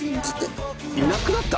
いなくなった！？